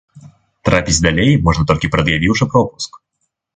Трапіць далей можна толькі прад'явіўшы пропуск.